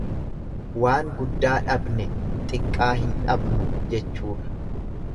Waan guddaa dhabne xiqqaa hin dhabnu jechuudha.